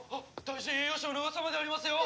大臣栄誉賞の噂までありますよ。